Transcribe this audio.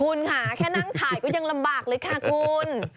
คุณค่ะแค่นั่งถ่ายก็ยังลำบากเลยค่ะคุณ